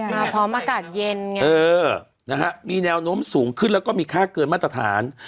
มาพร้อมอากาศเย็นไงเออนะฮะมีแนวโน้มสูงขึ้นแล้วก็มีค่าเกินมาตรฐาน